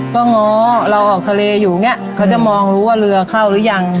ก็ง้อเราออกทะเลอยู่เนี่ยเขาจะมองรู้ว่าเรือเข้าหรือยัง